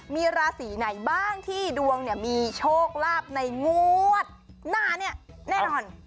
มีราศีไหนบ้างที่ดวงเนี่ยมีโชคลาภในงวดหน้าเนี่ยแน่นอน